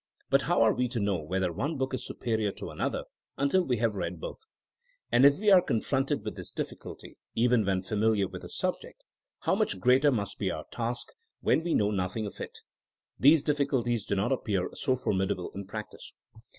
But how are we to know whether one book is superior to another until we have read botht And if we are con fronted with this diflSculty even when familiar with a subject, how much greater must be our task when we know nothing of it? These diffi culties do not appear so formidable in practice.